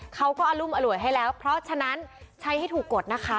เขาก็อรุมอร่วยให้แล้วเพราะฉะนั้นใช้ให้ถูกกดนะคะ